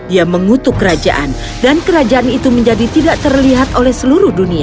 ia mengutuk kerajaan dan kerajaan itu menjadi tidak terlihat oleh seluruh dunia